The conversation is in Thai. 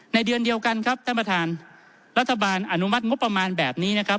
เดือนเดียวกันครับท่านประธานรัฐบาลอนุมัติงบประมาณแบบนี้นะครับ